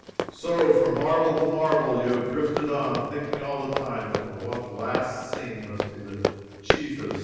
So, from marvel to marvel you have drifted on, thinking all the time that the one last seen must be the chiefest.